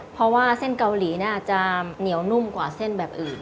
เพราะว่าเส้นเกาหลีน่าจะเหนียวนุ่มกว่าเส้นแบบอื่น